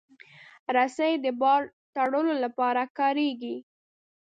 رسۍ د بار تړلو لپاره کارېږي.